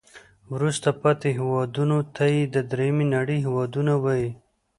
وروسته پاتې هیوادونو ته د دریمې نړۍ هېوادونه وایي.